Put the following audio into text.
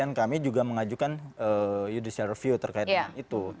kami juga mengajukan judicial review terkait dengan itu